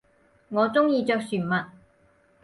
我中意着船襪